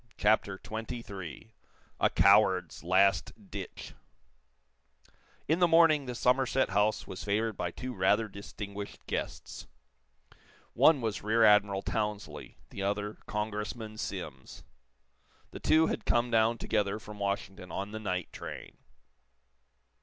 CHAPTER XXIII A COWARD'S LAST DITCH In the morning the Somerset House was favored by two rather distinguished guests. One was Rear Admiral Townsley, the other Congressman Simms. The two had come down together from Washington on the night train.